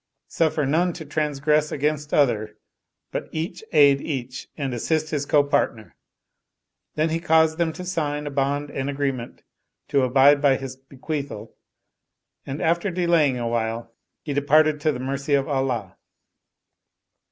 Suf fer none to transgress against other ; but each aid each and assist his co partner." He then caused them to sign a bond and agreement to abide by his bequeathal ; and, after delay ing a while, he departed to the mercy of Allah.